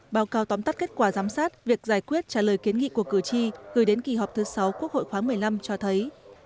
báo cáo tóm tắt kết quả giám sát việc giải quyết trả lời kiến nghị của cử tri gửi đến kỳ họp thứ sáu quốc hội khoáng một mươi năm cho thấy